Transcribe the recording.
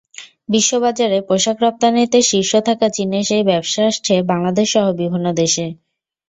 বিশ্ববাজারে পোশাক রপ্তানিতে শীর্ষে থাকা চীনের সেই ব্যবসা আসছে বাংলাদেশসহ বিভিন্ন দেশে।